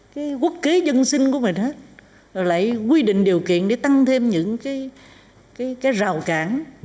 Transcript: cái quốc kế dân sinh của mình đó lại quy định điều kiện để tăng thêm những cái rào cản